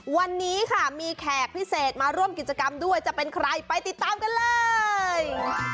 วันนี้ค่ะมีแขกพิเศษมาร่วมกิจกรรมด้วยจะเป็นใครไปติดตามกันเลย